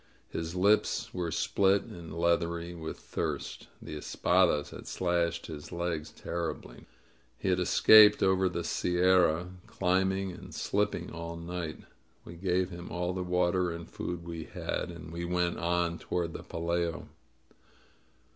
His lips were split and leathery with thirst. The espadas had slashed his legs terribly. He had escaped over the Sierra, climbing and slipping all night. We gave him all the water and food we had, and he went on toward the Pelayo.